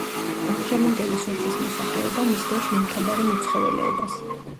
ამჟამინდელი სოფლის მოსახლეობა მისდევს მომთაბარე მეცხოველეობას.